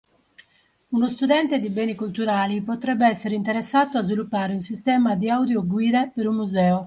Uno studente di Beni Culturali potrebbe essere interessato a sviluppare un sistema di audioguide per un museo